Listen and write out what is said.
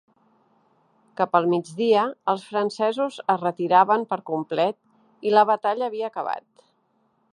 Cap al migdia, els francesos es retiraven per complet i la batalla havia acabat.